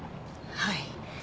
はい。